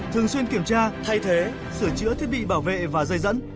thường xuyên kiểm tra thay thế sửa chữa thiết bị bảo vệ và dây dẫn